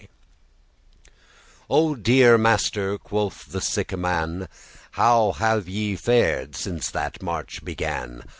*shaped, purposed "O deare master," quoth this sicke man, "How have ye fared since that March began?